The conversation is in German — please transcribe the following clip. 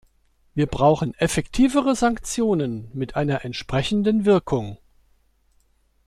Wir brauchen effektivere Sanktionen mit einer entsprechenden Wirkung.